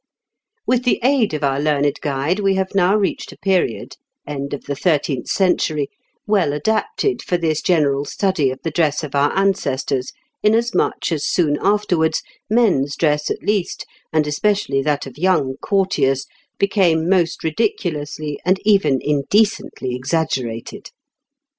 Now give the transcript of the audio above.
With the aid of our learned guide we have now reached a period (end of the thirteenth century) well adapted for this general study of the dress of our ancestors, inasmuch as soon afterwards men's dress at least, and especially that of young courtiers, became most ridiculously and even indecently exaggerated.